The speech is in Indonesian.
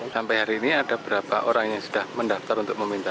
sampai hari ini ada berapa orang yang sudah mendaftar untuk meminta